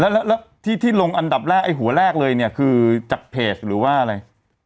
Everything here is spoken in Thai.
แล้วที่ที่ลงอันดับแรกไอ้หัวแรกเลยเนี่ยคือจากเพจหรือว่าอะไร